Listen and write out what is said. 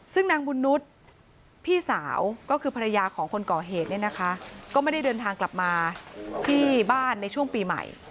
ซึ่งนางบุญนุษย์พี่สาวก็คือภรรยาของคนก่อเหตุเนี่ยนะคะก็ไม่ได้เดินทางกลับมาที่บ้านในช่วงปีใหม่